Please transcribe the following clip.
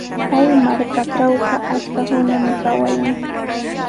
Kay markatrawqa achkaq runami kawayan.